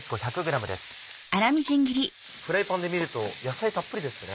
フライパンで見ると野菜たっぷりですね。